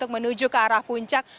menuju ke arah puncak